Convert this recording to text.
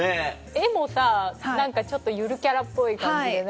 絵もさ何かちょっとゆるキャラっぽい感じでね。